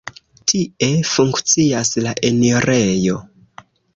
Tie funkcias la enirejo.